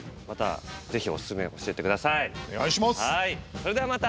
それではまた！